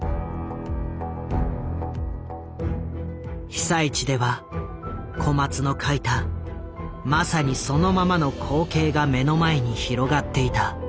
被災地では小松の書いたまさにそのままの光景が目の前に広がっていた。